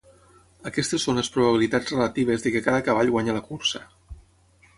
Aquestes són les probabilitats relatives de què cada cavall guanyi la cursa.